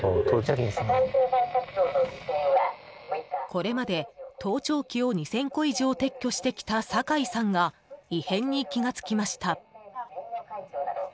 これまで盗聴器を２０００個以上、撤去してきた酒井さんが異変に気がつきました。